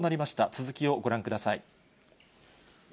続きをご覧ください。